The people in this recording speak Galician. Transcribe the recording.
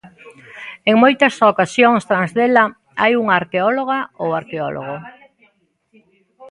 En moitas ocasións tras dela hai unha arqueóloga ou arqueólogo.